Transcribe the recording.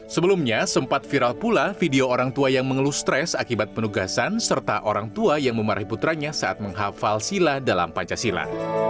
sebelumnya sempat viral pula video orang tua yang mengeluh stres akibat penugasan serta orang tua yang memarahi putranya saat menghafal sila dalam pancasila